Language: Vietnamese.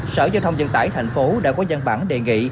sở giao thông dân tải thành phố đã có văn bản đề nghị